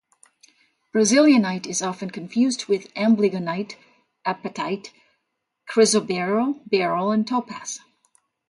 Brazilianite is often confused with amblygonite, apatite, chrysoberyl, beryl, and topaz.